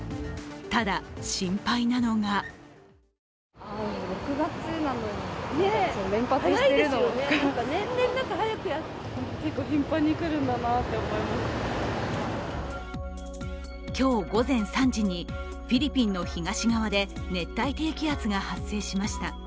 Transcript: ただ、心配なのが今日午前３時にフィリピンの東側で熱帯低気圧が発生しました。